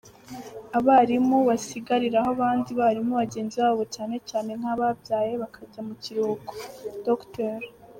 Abarimu basigariraho abandi barimu bagenzi babo cyane cyane nk’ababyaye bakajya mu kiruhuko, Dr.